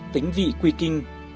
tính vị quy kinh